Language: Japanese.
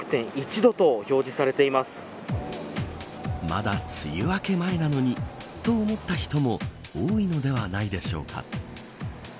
まだ梅雨明け前なのにと思った人も多いのではないでしょうか。